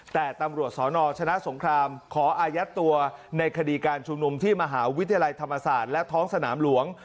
แต่ตำรวจสนชนะสงครามขออายัดตัวในคดีการชุมนุมที่มหาวิทยาลัยธรรมศาสตร์และท้องสนามหลวง